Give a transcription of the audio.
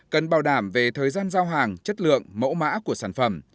cần bảo đảm về thời gian giao hàng chất lượng mẫu mã của sản phẩm